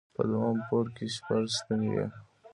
په دوهم پوړ کې شپږ ستنې وې.